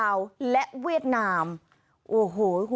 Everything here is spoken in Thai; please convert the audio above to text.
ค่ะคือเมื่อวานี้ค่ะ